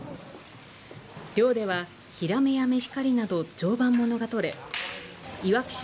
漁ではヒラメやメヒカリなど常磐ものがとれいわき市